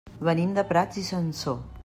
Venim de Prats i Sansor.